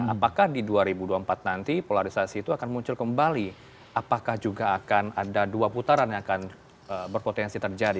apakah di dua ribu dua puluh empat nanti polarisasi itu akan muncul kembali apakah juga akan ada dua putaran yang akan berpotensi terjadi